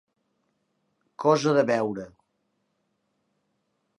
Cosa de veure.